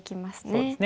そうですね。